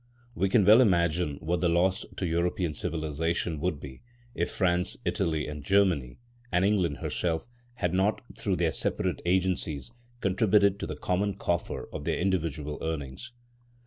We can well imagine what the loss to European civilisation would be if France, Italy and Germany, and England herself, had not through their separate agencies contributed to the common coffer their individual earnings.